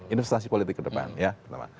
investasi politik kedepan ya